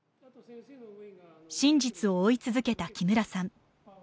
真実を追い続けた木村さん。